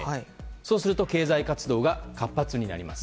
そうすると経済活動が活発になります。